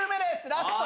ラスト。